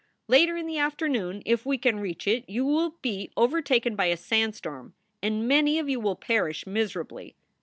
Later in the afternoon, if we can reach it, you will be overtaken by a sandstorm and many of you will perish miserably.